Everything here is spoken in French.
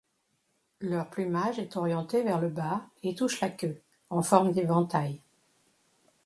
Leur plumage est orienté vers le bas et touche la queue, en forme d'éventail.